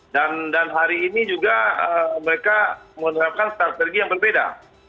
dan hari ini juga mereka menerapkan strategi yang berbeda